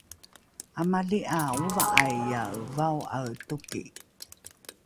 amali ’a ova’aiae vao’ae toki